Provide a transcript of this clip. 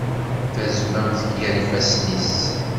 Tazmamt gar yifassen-is.